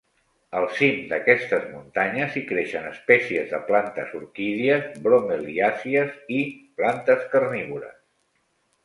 Al cim d'aquestes muntanyes hi creixen espècies de plantes orquídies, bromeliàcies, i plantes carnívores.